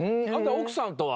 奥さんとは？